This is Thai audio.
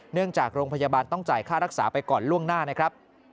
จากโรงพยาบาลต้องจ่ายค่ารักษาไปก่อนล่วงหน้านะครับ